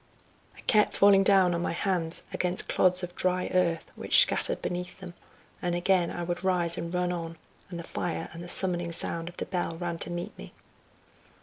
I kept falling down on my hands against clods of dry earth, which scattered beneath them, and again I would rise and run on, and the fire and the summoning sound of the bell ran to meet me.